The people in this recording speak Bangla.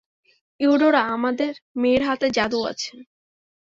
ইউডোরা, আমাদের মেয়ের হাতে জাদু আছে।